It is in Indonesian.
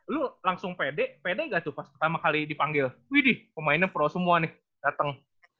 lu langsung pede pede nggak tuh pas pertama kali dipanggil wih dih pemainnya pro semua nih dateng